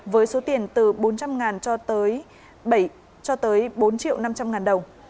với số tiền từ bốn trăm linh cho tới bốn triệu năm trăm linh ngàn đồng